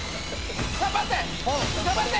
頑張って！